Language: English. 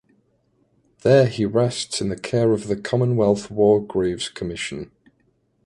There he rests in the care of the Commonwealth War Graves Commission.